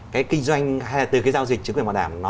cái kinh doanh hay là từ cái giao dịch chứng quyền bảo đảm